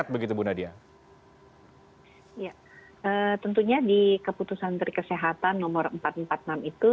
tentunya di keputusan dari kesehatan nomor empat ratus empat puluh enam itu